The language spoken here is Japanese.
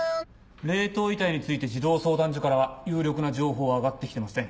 冷凍遺体について児童相談所からは有力な情報は上がって来てません。